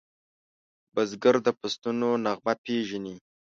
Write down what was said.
بزګر د فصلونو نغمه پیژني